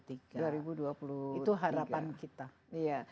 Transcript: itu harapan kita